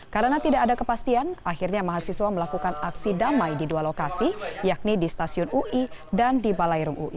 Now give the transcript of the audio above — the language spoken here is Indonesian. karena tidak ada kepastian akhirnya mahasiswa melakukan aksi damai di dua lokasi yakni di stasiun ui dan di balai rum ui